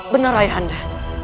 benar ayah anda